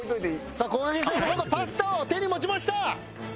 さあこがけんさんの方がパスタを手に持ちました。